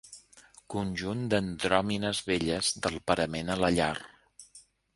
Conjunt d'andròmines velles del parament a la llar.